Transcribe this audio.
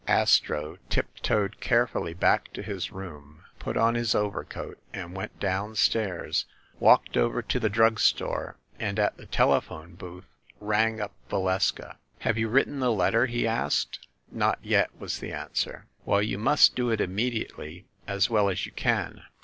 Astro tiptoed carefully back to his room, put on his overcoat, and went down stairs, walked over to the drug store, and at the telephone booth rang up Valeska. "Have you written the letter?" he asked. "Not yet," was the answer. "Well, you must do it immediately as well as you can.